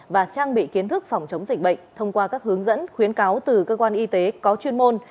và trang bị kiến thức phòng chống dịch bệnh thông qua các hướng dẫn khuyến cáo từ cơ quan y tế có chuyên môn